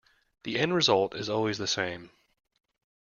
The end result is always the same.